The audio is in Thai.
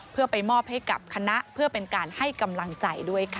เพื่อไปมอบให้กับคณะเพื่อเป็นการให้กำลังใจด้วยค่ะ